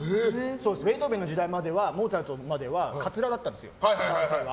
ベートーベンの時代まではモーツァルトまではカツラだったんですよ。